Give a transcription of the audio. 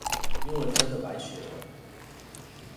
英文真的白學了